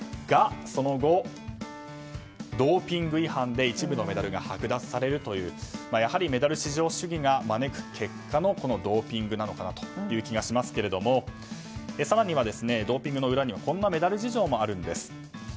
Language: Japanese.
が、その後、ドーピング違反で一部のメダルが剥奪されるというやはりメダル至上主義が招く結果のドーピングなのかなという気がしますけれども更にはドーピングの裏にはこんなメダル事情もあるんです。